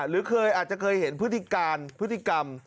หรือเคยอาจจะเคยเห็นพฤติการพฤติกรรม